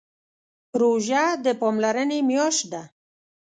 روژه د پاملرنې میاشت ده.